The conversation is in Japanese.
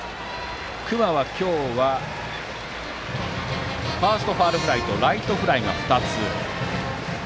隈は今日はファーストファウルフライとライトフライが２つ。